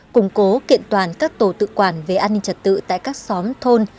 củng cố kiện toàn các tổ tự quản về an ninh trật tự tại các xóm thôn